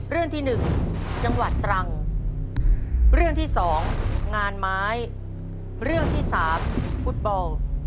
เรื่องที่หนึ่งจังหวัดตรังเรื่องที่สองงานไม้เรื่องที่สามฟุตบอล